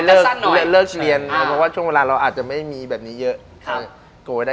แต่ว่าน้องอาจจะไม่ได้พูดมากกว่า